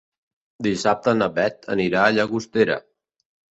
Dissabte na Beth anirà a Llagostera.